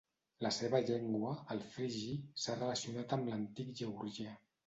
La seva llengua, el frigi, s'ha relacionat amb l'antic georgià.